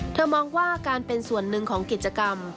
มองว่าการเป็นส่วนหนึ่งของกิจกรรม